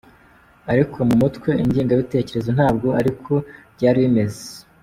Ariko mu mutwe ingengabitekerezo ntabwo ariko byari bimeze.